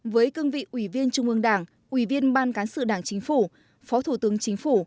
với cương vị ủy viên trung ương đảng ủy viên ban cán sự đảng chính phủ phó thủ tướng chính phủ